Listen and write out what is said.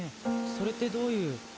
それってどういう」